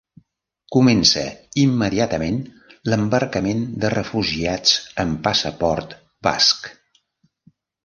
Comença immediatament l'embarcament de refugiats amb passaport basc.